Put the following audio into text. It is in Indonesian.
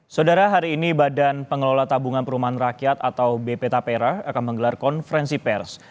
saudara hari ini badan pengelola tabungan perumahan rakyat atau bp tapera akan menggelar konferensi pers